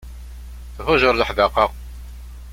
Thuǧer leḥdaqa.